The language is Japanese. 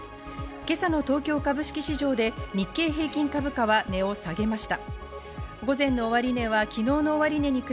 今朝の東京株式市場で日経平均株価は値を下げました。